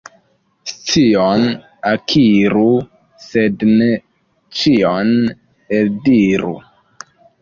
Scion akiru, sed ne ĉion eldiru.